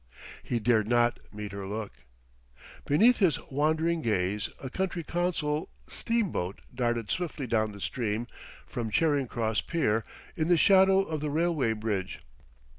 He dared not meet her look. Beneath his wandering gaze a County Council steam boat darted swiftly down stream from Charing Cross pier, in the shadow of the railway bridge.